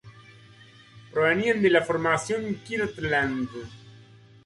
Provenían de la Formación Kirtland.